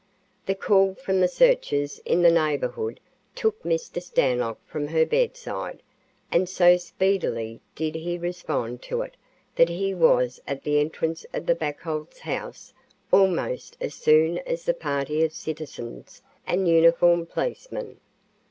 The call from the searchers in the neighborhood took Mr. Stanlock from her bedside, and so speedily did he respond to it that he was at the entrance of the Buckholz house almost as soon as the party of citizens and uniformed policemen.